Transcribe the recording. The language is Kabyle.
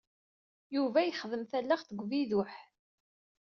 Yuba yexdem talaxt deg ubiduḥ.